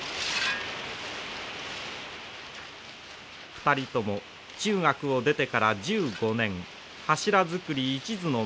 ２人とも中学を出てから１５年柱作りいちずの毎日でした。